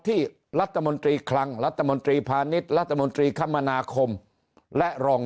ที่รัฐมนตรีคลังรัฐมนตรีพาณิชย์รัฐมนตรีคมนาคมและรอง